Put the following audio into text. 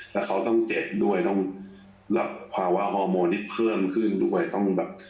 แล้วเขาต้องเจ็บด้วยต้องรับภาวะฮอร์โมนที่เพิ่มขึ้นด้วยต้องแบบ